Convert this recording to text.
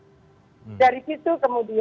karena rupanya kita harus berpengalaman